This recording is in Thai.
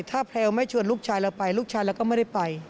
ถ้าแพลวไม่ชวนลูกชายเราไปลูกชายเราก็ไม่ได้ไป